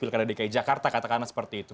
bila ada dki jakarta kata kata seperti itu